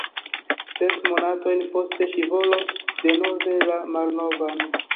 Ses monatojn poste ŝi volos denove la malnovan.